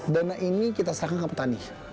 dana ini kita serahkan ke petani